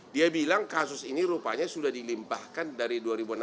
dia bilang kasus ini rupanya sudah dilimpahkan dari dua ribu enam belas